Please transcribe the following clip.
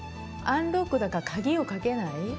アンロックだから鍵をかけない。